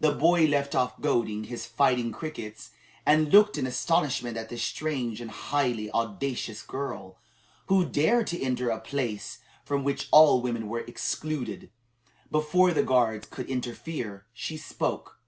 The boy left off goading his fighting crickets, and looked in astonishment at this strange and highly audacious girl, who dared to enter a place from which all women were excluded. Before the guards could interfere, she spoke.